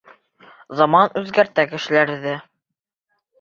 Заман үҙгәртә кешеләрҙе.